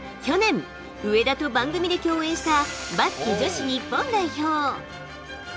去年、上田と番組で共演したバスケ女子日本代表。